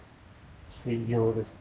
大量ですね。